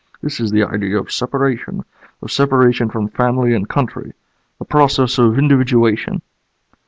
This is the idea of separation, of separation from family and country. The process of individuation."